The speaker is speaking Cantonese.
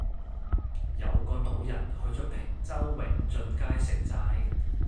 有個老人去左坪洲永俊街食齋